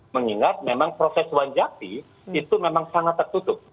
mengingat memang proses wanjakti itu memang sangat tertutup